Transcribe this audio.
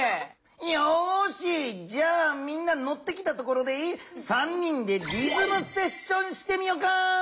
よしじゃあみんなのってきたところで３人でリズムセッションしてみよかい。